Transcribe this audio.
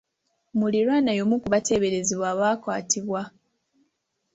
Muliraanwa y'omu ku bateeberezebwa abaakwatibwa.